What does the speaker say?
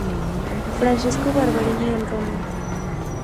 Francesco Barberini en Roma.